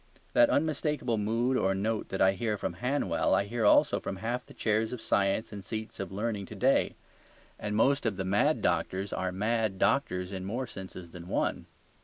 That unmistakable mood or note that I hear from Hanwell, I hear also from half the chairs of science and seats of learning to day; and most of the mad doctors are mad doctors in more senses than one.